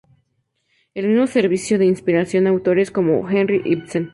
Él mismo sirvió de inspiración a autores como Henrik Ibsen.